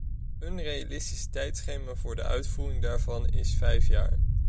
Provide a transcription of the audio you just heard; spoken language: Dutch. Een realistisch tijdschema voor de uitvoering daarvan is vijf jaar.